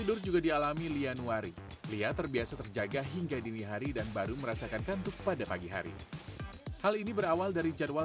ibu ini gerak gerak diluarkan dari ibu atau di mana